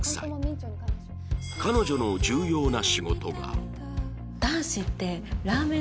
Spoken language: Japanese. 彼女の重要な仕事が